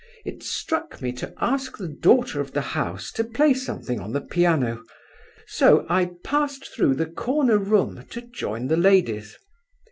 It struck me to ask the daughter of the house to play something on the piano; so I passed through the corner room to join the ladies.